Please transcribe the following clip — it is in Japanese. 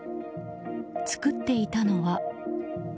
作っていたのは。